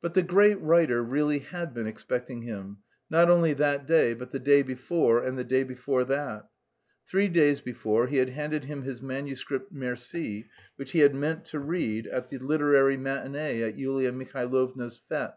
But the great writer really had been expecting him, not only that day but the day before and the day before that. Three days before he had handed him his manuscript Merci (which he had meant to read at the literary matinée at Yulia Mihailovna's fête).